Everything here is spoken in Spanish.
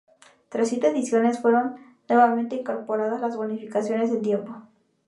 Tras siete ediciones fueron nuevamente incorporadas las bonificaciones en tiempo.